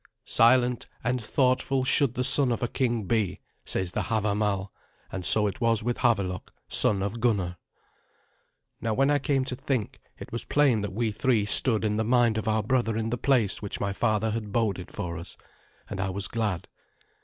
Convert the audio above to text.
"Silent and thoughtful should the son of a king be," says the Havamal, and so it was with Havelok, son of Gunnar. Now when I came to think, it was plain that we three stood in the mind of our brother in the place which my father had boded for us, and I was glad.